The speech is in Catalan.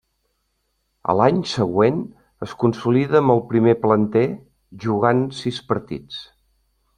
A l'any següent es consolida amb el primer planter, jugant sis partits.